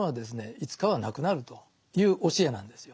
いつかはなくなるという教えなんですよ。